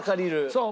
そう。